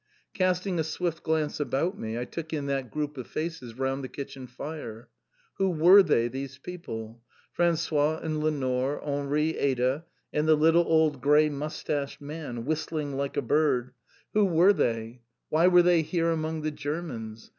Casting a swift glance about me, I took in that group of faces round the kitchen fire. Who were they, these people? François, and Lenore, Henri, Ada, and the little old grey moustached man whistling like a bird, who were they? Why were they here among the Germans?